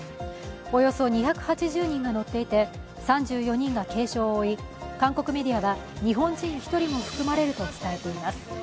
およそ２８０人が乗っていて、３４人が軽傷を負い、韓国メディアは日本人１人も含まれると伝えています。